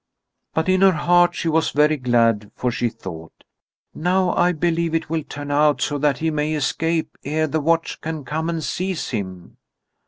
But in her heart she was very glad, for she thought: "Now belike it will turn out so that he may escape ere the watch can come and seize him."